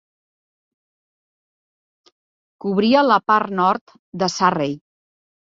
Cobria la part nord de Surrey.